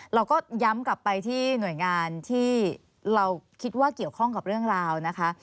เราก็ย้ำกลับไปที่หน่วยงานที่เราคิดว่าเกี่ยวข้องกับเรื่องราวนะคะ